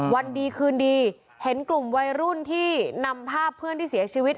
วันดีคืนดีเห็นกลุ่มวัยรุ่นที่นำภาพเพื่อนที่เสียชีวิต